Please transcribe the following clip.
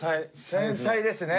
繊細ですね。